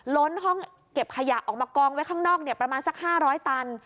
ล้นห้องเก็บขยะออกมากองไว้ข้างนอกประมาณสัก๕๐๐ตัน